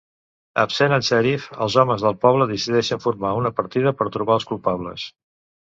Absent el xèrif, els homes del poble decideixen formar una partida per trobar els culpables.